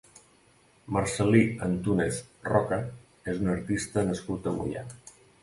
Marcel·lí Antúnez Roca és un artista nascut a Moià.